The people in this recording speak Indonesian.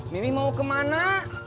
mimi mau kemana